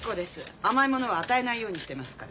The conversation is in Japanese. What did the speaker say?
甘いものは与えないようにしてますから。